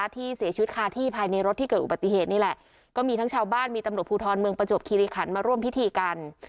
ที่เสียชีวิตคาที่ภายในรถที่เกิดอุบัติเหตุนี่แหละก็มีทั้งชาวบ้านมีตำรวจภูทรเมืองประจวบคิริขันมาร่วมพิธีกัน